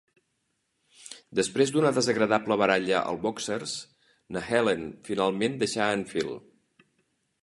Després d'una desagradable baralla al Boxers, la Helen finalment deixa a en Phil.